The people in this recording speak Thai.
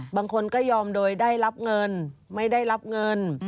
บางคนก็ยอมโดยได้รับเงินไม่ได้รับเงิน